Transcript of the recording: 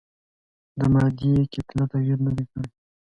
د مادې کتله تغیر نه دی کړی.